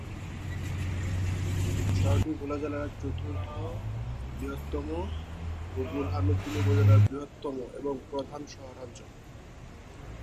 শহরটি ভোলা জেলার চতুর্থ বৃহত্তম ও বোরহানউদ্দিন উপজেলার বৃহত্তম এবং প্রধান শহরাঞ্চল।